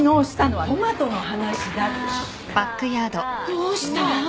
どうした？